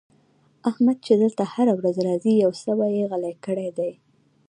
احمد چې دلته هره ورځ راځي؛ يو سوی يې غلی کړی دی.